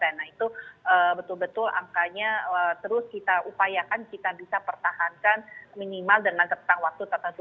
nah itu betul betul angkanya terus kita upayakan kita bisa pertahankan minimal dengan tentang waktu tertentu